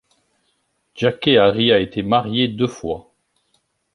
Jackée Harry a été mariée deux fois.